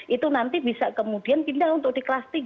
itu nanti bisa kemudian pindah untuk di kelas tiga